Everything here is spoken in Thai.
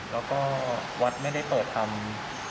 แล้วก็วัดไม่ได้เปิดทำ